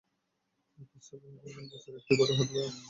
এরপর সাবেকুনকে পাশের একটি ঘরে নিয়ে হাত-পা বেঁধে মুখে স্কচটেপ লাগিয়ে দেয়।